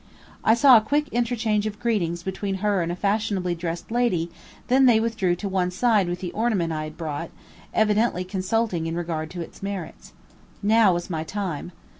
I saw a quick interchange of greetings between her and a fashionably dressed lady, then they withdrew to one side with the ornament I had brought, evidently consulting in regard to its merits. Now was my time.